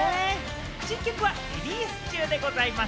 新曲はリリース中でございます。